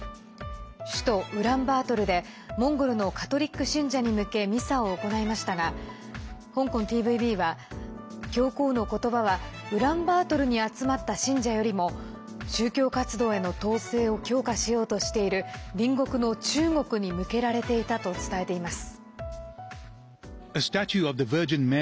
首都ウランバートルでモンゴルのカトリック信者に向けミサを行いましたが香港ＴＶＢは教皇の言葉はウランバートルに集まった信者よりも宗教活動への統制を強化しようとしている隣国の中国に向けられていたと伝えています。